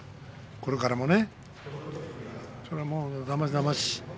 これからもだましだまし。